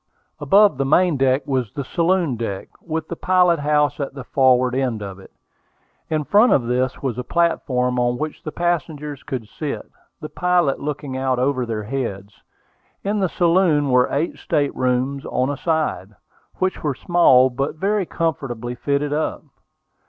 Above the main deck was the saloon deck, with the pilot house at the forward end of it. In front of this was a platform on which the passengers could sit, the pilot looking out over their heads. In the saloon were eight state rooms on a side, which were small, but very comfortably fitted up.